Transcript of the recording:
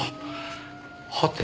はて。